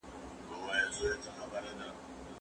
د قدرت پېژندنه د سياستپوهني له بنسټيزو دندو څخه ده.